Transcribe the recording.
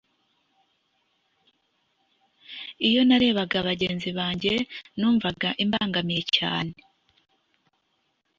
iyo narebaga bagenzi banjye numvaga imbangamiye cyane